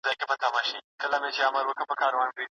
تعلیمي ټکنالوژي څنګه د زده کړي وخت سپموي؟